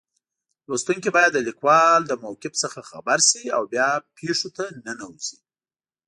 لوستونکی باید د لیکوال له موقف څخه خبر شي او بیا پېښو ته ننوځي.